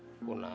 ya teguh mah